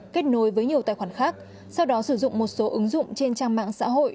kết nối với nhiều tài khoản khác sau đó sử dụng một số ứng dụng trên trang mạng xã hội